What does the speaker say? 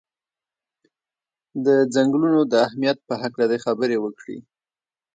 د څنګلونو د اهمیت په هکله دې خبرې وکړي.